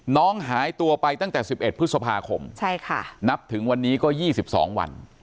น้องหายตัวไปตั้งแต่สิบเอ็ดพฤษภาคมใช่ค่ะนับถึงวันนี้ก็ยี่สิบสองวัน